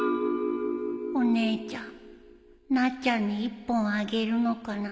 お姉ちゃんなっちゃんに１本あげるのかな